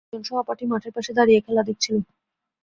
কয়েকজন সহপাঠী মাঠের পাশে দাঁড়িয়ে খেলা দেখছিল।